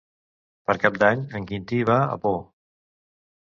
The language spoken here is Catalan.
Per Cap d'Any en Quintí va a Pau.